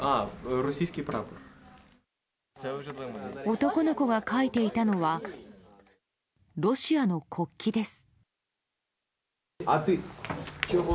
男の子が描いていたのはロシアの国旗です。